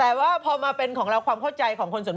แต่ว่าพอมาเป็นของเราความเข้าใจของคนส่วน